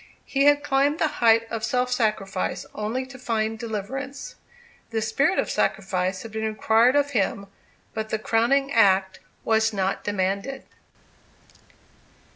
He had climbed the height of self sacrifice only to find deliverance. The spirit of sacrifice had been required of him, but the crowning act was not demanded.